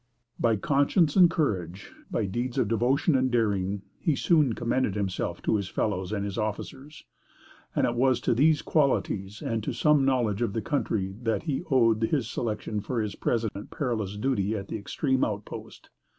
By conscience and courage, by deeds of devotion and daring, he soon commended himself to his fellows and his officers; and it was to these qualities and to some knowledge of the country that he owed his selection for his present perilous duty at the extreme outpost.